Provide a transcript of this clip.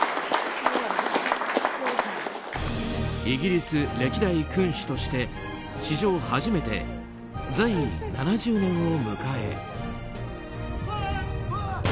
イギリス歴代君主として史上初めて在位７０年を迎え。